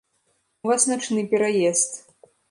У вас начны пераезд.